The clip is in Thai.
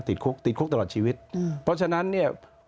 ติดคุกติดคุกตลอดชีวิตเพราะฉะนั้นเนี่ย